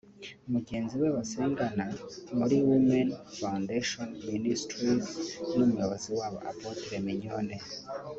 mugenzi we basengana muri Women Foundation ministries n'umuyobozi wabo Apotre Mignone